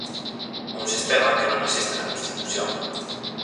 Un sistema que non existe na Constitución.